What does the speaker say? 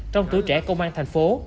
trong tuổi trẻ công an tp